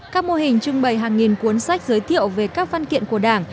các mô hình trưng bày hàng nghìn cuốn sách giới thiệu về các văn kiện của đảng